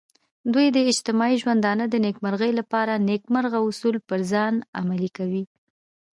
دوی د اجتماعي ژوندانه د نیکمرغۍ لپاره نیکمرغه اصول پر ځان عملي کوي.